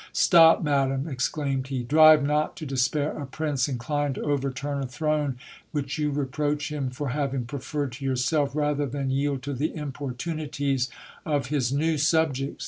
Stop, madam, exclaimed he, drive not to c espair a prince, inclined to overturn a throne, which you reproach him for having preferred to yourself, rather than yield to the importunities of his new subj ;cts.